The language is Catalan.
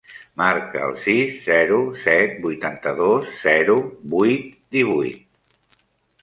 Marca el sis, zero, set, vuitanta-dos, zero, vuit, divuit.